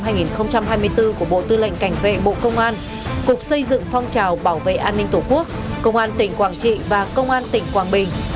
hội nghị triển khai của bộ tư lệnh cảnh vệ bộ công an cục xây dựng phong trào bảo vệ an ninh tổ quốc công an tỉnh quảng trị và công an tỉnh quảng bình